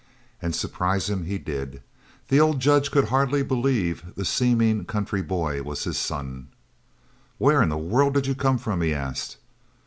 And surprise him he did. The old Judge could hardly believe the seeming country boy was his son. "Where in the world did you come from?" he asked.